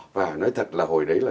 và nói thật là hồi đấy là